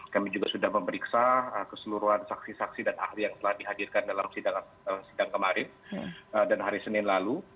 kami juga sudah memeriksa keseluruhan saksi saksi dan ahli yang telah dihadirkan dalam sidang kemarin dan hari senin lalu